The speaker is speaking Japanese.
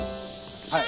はい。